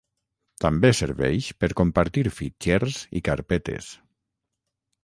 També serveix per compartir fitxers i carpetes.